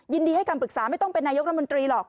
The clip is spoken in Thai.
ยินดีให้คำปรึกษาไม่ต้องเป็นนายกรัฐมนตรีหรอก